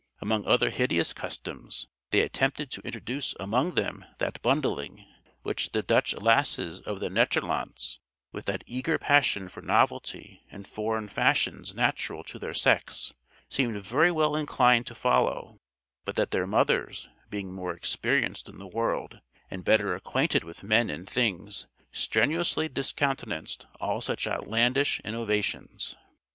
Among other hideous customs, they attempted to introduce among them that bundling, which the Dutch lasses of the Nederlandts, with that eager passion for novelty and foreign fashions natural to their sex, seemed very well inclined to follow, but that their mothers, being more experienced in the world, and better acquainted with men and things, strenuously discountenanced all such outlandish innovations.